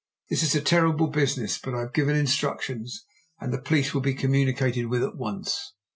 This is a terrible business. But I have given instructions, and the police will be communicated with at once.